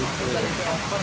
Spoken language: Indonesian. itu dari penyoper